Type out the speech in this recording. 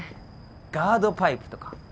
ガードパイプとか。